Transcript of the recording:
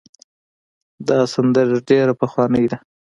دا سندره ډېره پخوانۍ ده.